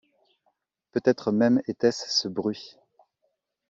Peut-être même était-ce ce bruit